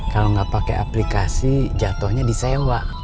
kalau gak pakai aplikasi jatohnya disewa